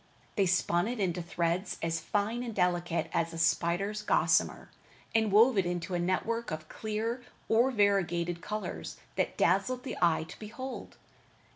They spun it into threads as fine and delicate as a spider's gossamer, and wove it into a network of clear or variegated colors that dazzled the eye to behold.